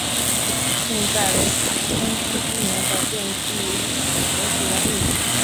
现在为卡普空公司最知名的电子游戏人物。